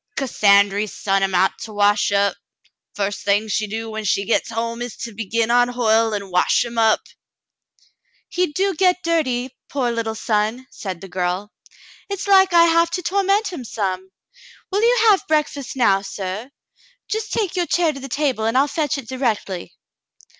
" Cassandry sont him out to wash up. F'ust thing she do when she gets home is to begin on Hoyle and wash him up." "He do get that dirty, poor little son," said the girl. "It's like I have to torment him some. Will you have breakfast now, suh .^ Just take your chair to the table, and I'll fetch it directly."